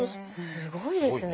すごいですね。